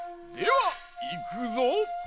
ではいくぞ。